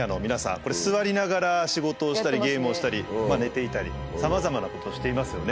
これ座りながら仕事をしたりゲームをしたり寝ていたりさまざまなことをしていますよね。